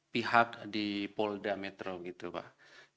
pihak di polda metro gitu pak